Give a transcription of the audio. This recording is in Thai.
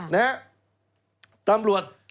นะฮะตำรวจ